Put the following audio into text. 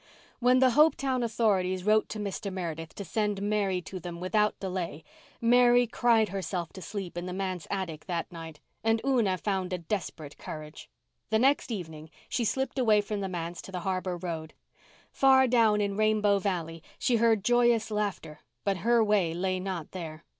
When the Hopetown authorities wrote to Mr. Meredith to send Mary to them without delay Mary cried herself to sleep in the manse attic that night and Una found a desperate courage. The next evening she slipped away from the manse to the harbour road. Far down in Rainbow Valley she heard joyous laughter but her way lay not there.